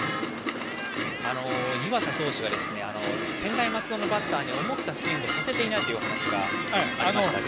湯浅投手は専大松戸のバッターに思ったスイングをさせていないというお話がありました。